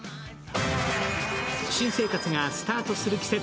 新生活がスタートする季節。